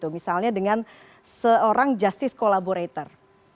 misalnya dengan seorang justice collaborator